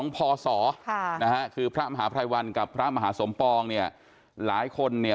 พศค่ะนะฮะคือพระมหาภัยวันกับพระมหาสมปองเนี่ยหลายคนเนี่ย